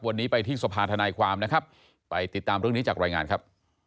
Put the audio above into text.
วันนี้ไปที่สภาธนายความนะครับไปติดตามเรื่องนี้จากรายงานครับ